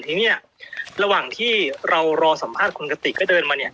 ทีนี้ระหว่างที่เรารอสัมภาษณ์คุณกติกก็เดินมาเนี่ย